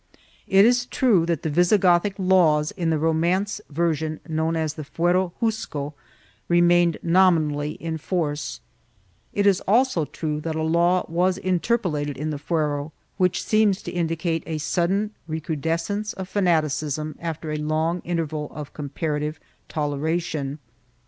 It is true that the Wisigothic laws, in the Romance version known as the Fuero Juzgo, remained nominally in force; it is also true that a law was interpolated in the Fuero, which seems to indicate a sudden recrudescence of fanaticism after a long interval of comparative toleration.